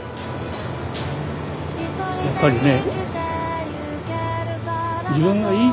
やっぱりね。